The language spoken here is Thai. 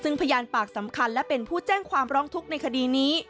ซึ่งพยานปากสำคัญและเป็นผู้แจ้งความร้องทุกข์ในคดีนี้